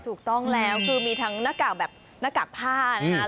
ถูกต้องแล้วคือมีทั้งหน้ากากแบบหน้ากากผ้านะคะ